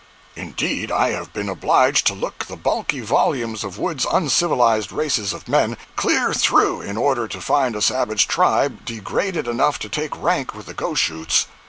Indeed, I have been obliged to look the bulky volumes of Wood's "Uncivilized Races of Men" clear through in order to find a savage tribe degraded enough to take rank with the Goshoots.